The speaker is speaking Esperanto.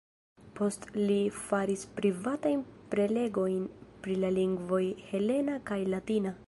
Post li faris privatajn prelegojn pri la lingvoj helena kaj latina.